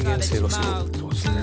「そうですね」